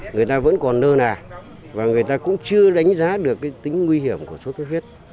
người ta vẫn còn nơ nà và người ta cũng chưa đánh giá được cái tính nguy hiểm của sốt xuất huyết